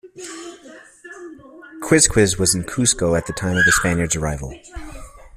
Quizquiz was in Cusco at the time of the Spaniards' arrival.